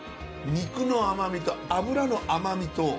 肉の甘みと脂の甘みと。